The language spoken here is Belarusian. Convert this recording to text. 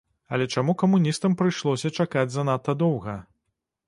Але чаму камуністам прыйшлося чакаць занадта доўга?